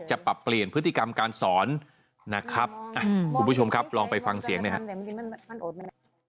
ปรับเปลี่ยนพฤติกรรมการสอนนะครับคุณผู้ชมครับลองไปฟังเสียงหน่อยครับ